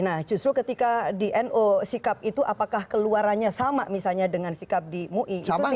nah justru ketika di nu sikap itu apakah keluarannya sama misalnya dengan sikap di mui